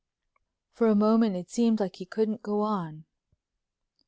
For a moment it seemed like he couldn't go on.